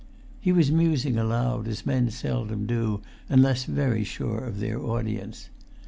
He was musing aloud as men seldom do unless very sure of their audience.